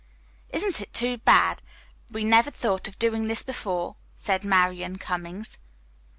"Isn't it too bad we never thought of doing this before?" said Marian Cummings.